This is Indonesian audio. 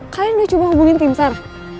kalian udah coba hubungin tim sar